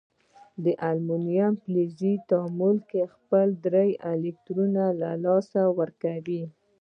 د المونیم فلز په تعامل کې خپل درې الکترونونه له لاسه ورکوي.